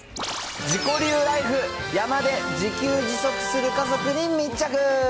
自己流ライフ、山で自給自足する家族に密着。